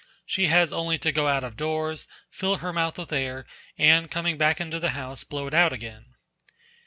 She has only to go out of doors, fill her mouth with air, and coming back into the house blow it out again.